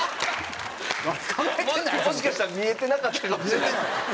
もしかしたら見えてなかったかもしれない。